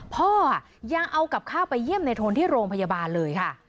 พ่อยังเอากับข้าวไปเยี่ยมในโทนที่โรงพยาบาลเลยค่ะ